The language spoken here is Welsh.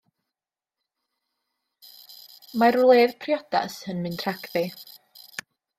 Mae'r wledd priodas yn mynd rhagddi.